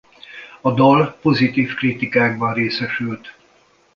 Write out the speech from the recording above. A dal pozitív kritikákban részesült.